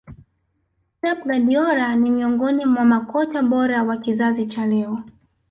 pep guardiola ni miongoni mwa makocha bora wa kizazi cha leo